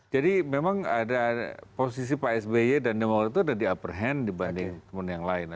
jadi memang ada posisi pak sby dan nemowet itu ada di upper hand dibanding teman yang lain